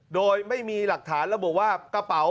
โดยไม่มีหลักฐานระบุว่ากระเป๋า